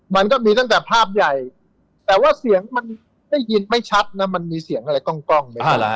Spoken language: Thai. มันก็มีตั้งแต่ภาพใหญ่แต่ว่าเสียงมันได้ยินไม่ชัดนะมันมีเสียงอะไรกล้องเนี่ย